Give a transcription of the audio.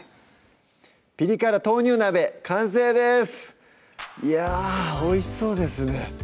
「ピリ辛豆乳鍋」完成ですいやおいしそうですね